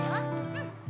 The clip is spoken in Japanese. うん。